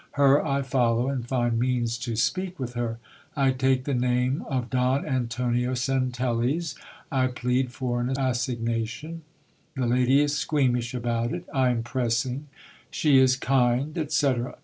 Her I follow, and find means to speak with her. I take the name of Don Antonio Centelles. I plead for an assign GIL EL AS ADVENTURE OF GALLANTRY. 91 ation, the lady is squeamish about it ; I am pressing, she is kind, et ccetera.